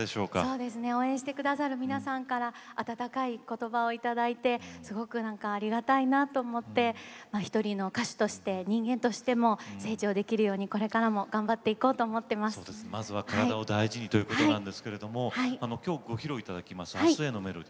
応援してくださる皆さんから温かいおことばをいただいてすごくありがたいなと思って１人の歌手として、人間としても成長できるようにこれからもまずは体を大事にということですが披露していただく「明日へのメロディ」